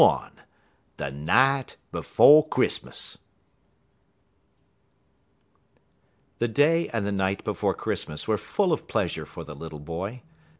LXXI THE NIGHT BEFORE CHRISTMAS The day and the night before Christmas were full of pleasure for the little boy.